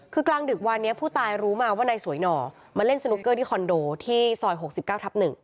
คือกลางดึกวันนี้ผู้ตายรู้มาว่านายสวยหน่อมาเล่นสนุกเกอร์ที่คอนโดที่ซอย๖๙ทับ๑